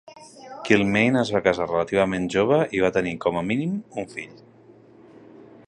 Kilmaine es va casar relativament jove i va tenir com a mínim un fill.